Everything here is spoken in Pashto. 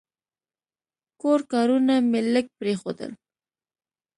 کور کارونه مې لږ پرېښودل.